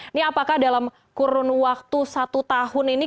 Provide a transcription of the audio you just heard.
ini apakah dalam kurun waktu satu tahun ini